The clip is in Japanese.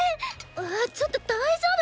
あちょっと大丈夫？